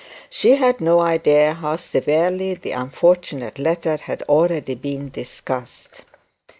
She had no idea how severely the unfortunate letter had already been discussed.